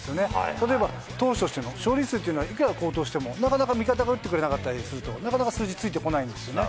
例えば投手としての勝利数というのは、いくら好投しても、なかなか味方が打ってくれなかったりすると、なかなか数字、ついてこないんですよね。